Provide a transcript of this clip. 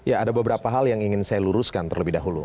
ya ada beberapa hal yang ingin saya luruskan terlebih dahulu